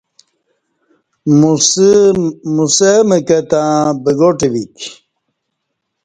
موسہ مکہ تں بگاٹ ویک